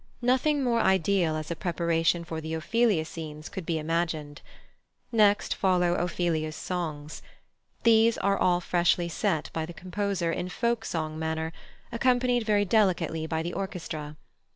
Nothing more ideal as preparation for the Ophelia scenes could be imagined. Next follow Ophelia's songs. These are all freshly set by the composer in folk song manner, accompanied very delicately by the orchestra.